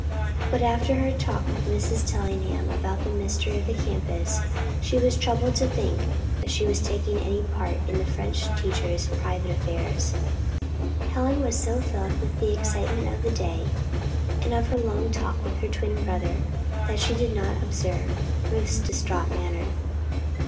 But after her talk with Mrs. Tellingham about the mystery of the campus, she was troubled to think that she was taking any part in the French teacher's private affairs. Helen was so filled with the excitement of the day, and of her long talk with her twin brother, that she did not observe Ruth's distraught manner.